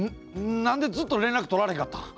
なんでずっと連絡取られへんかったん？